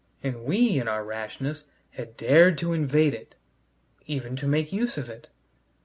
And we, in our rashness, had dared to invade it, even to make use of it!